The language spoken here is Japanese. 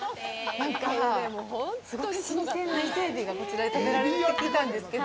なんか、すごく新鮮なイセエビがこちらで食べられるって聞いたんですけど。